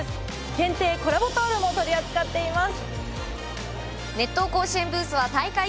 限定コラボタオルも取り扱っています。